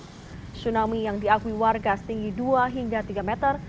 tsunami yang diakui warga setinggi dua hingga tiga meter